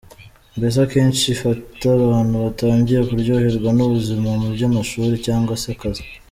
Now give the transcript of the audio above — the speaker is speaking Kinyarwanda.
Mbese akenshi ifata abantu batangiye kuryoherwa n’ubuzima mu by’amashuri cyangwa se akazi.